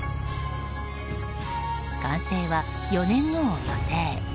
完成は４年後を予定。